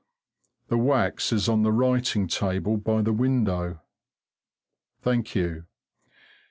The wax is on the writing table by the window. Thank you.